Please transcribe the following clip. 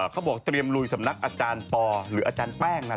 เตรียมลุยสำนักอาจารย์ปอหรืออาจารย์แป้งนั่นแหละ